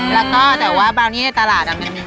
แล้วก็แต่ว่าบาวนี่ในตลาดมันมี